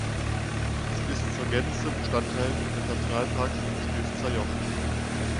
Es ist zur Gänze Bestandteil des Nationalparks Stilfser Joch.